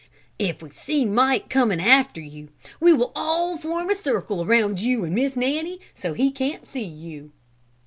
"If we see Mike coming after you, we will all form in a circle around you and Miss Nanny so he can't see you."